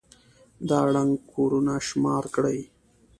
دا ړنـګ كورونه شمار كړئ.